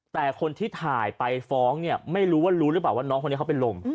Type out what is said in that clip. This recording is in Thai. แต่คนที่ถ่ายไปฟ้องเนี่ยไม่รู้ว่ารู้หรือเปล่าว่าน้องคนนี้เขาเป็นลม